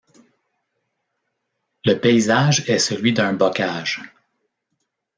Le paysage est celui d'un bocage.